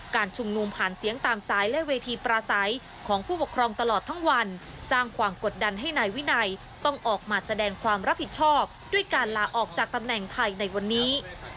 การชุมนุมผ่านเสียงตามสายและเวทีปราศัยของผู้ปกครองตลอดทั้งวันสร้างความกดดันให้นายวินัยต้องออกมาแสดงความรับผิดชอบด้วยการลาออกจากตำแหน่งไทยในวันนี้